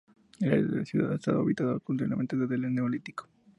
El área de la ciudad ha estado habitada continuamente desde el Neolítico.